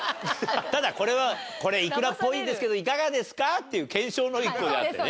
ただこれはこれイクラっぽいですけどいかがですかっていう検証の１個であってね。